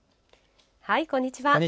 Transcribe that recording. こんにちは。